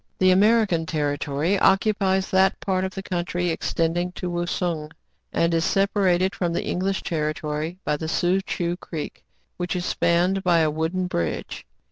The American territory occupies that part of the country extending to Wousung, and is sepa rated from the English territory by the Soo Choo Creek, which is spanned by a wooden bridge.